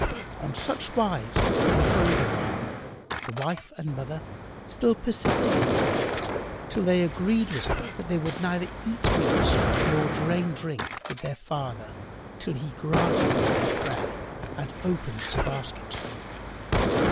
On such wise they abode awhile, the wife and mother still persisting in her quest till they agreed with her that they would neither eat meat nor drain drink with their father, till he granted them their prayer and opened the basket to them.